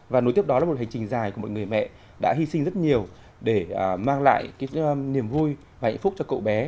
và nối tiếp đó là một hành trình dài của một người mẹ đã hy sinh rất nhiều để mang lại cái niềm vui và hạnh phúc cho cậu bé